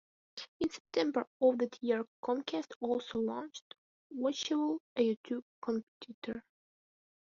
In September of that year Comcast also launched Watchable, a YouTube competitor.